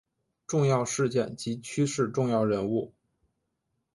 重要事件及趋势重要人物